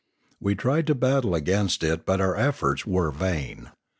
We tried to battle against it but our efforts were vain.